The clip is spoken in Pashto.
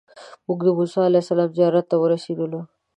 موږ د موسی علیه السلام زیارت ته ورسېدلو.